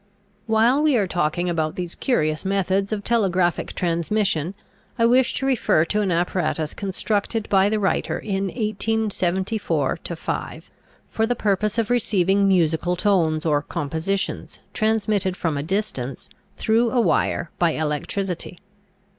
While we are talking about these curious methods of telegraphic transmission, I wish to refer to an apparatus constructed by the writer in 1874 5, for the purpose of receiving musical tones or compositions transmitted from a distance through a wire by electricity.